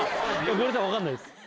ごめんなさいわかんないです。